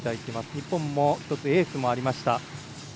日本も、１つエースもありました。